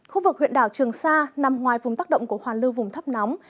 khu vực huyện đảo trường sa nằm ngoài vùng tác động của hoàn lưu vùng thấp nóng